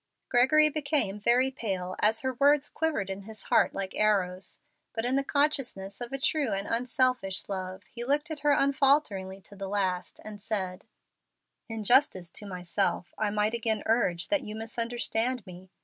Gregory became very pale as her words quivered in his heart like arrows, but in the consciousness of a true and unselfish love, he looked at her unfalteringly to the last, and said, "In justice to myself I might again urge that you misunderstand me.